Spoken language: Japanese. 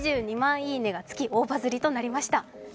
こちらに２２万いいねがつき大バズりとなりました。